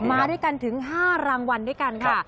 มาด้วยกันถึง๕รางวัลด้วยกันค่ะ